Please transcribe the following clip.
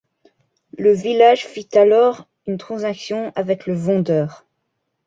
Le village fit alors une transaction avec le vendeur.